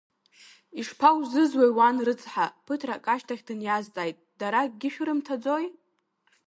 Ишԥаузызуеи, уан рыцҳа, ԥыҭрак ашьҭахь дыниазҵааит, дара акгьы шәырымҭаӡои?